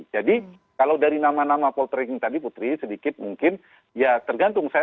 jadi kalau dari nama nama poltreking tadi putri sedikit mungkin ya tergantung